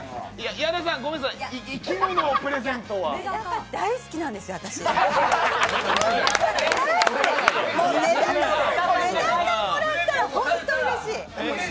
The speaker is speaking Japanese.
矢田さん、ごめんなさい生き物をプレゼントはめだか大好きなんですよ、ホントに大好きでめだかもらったらホントうれしい。